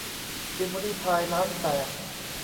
พิมรี่พาย ล้านแตก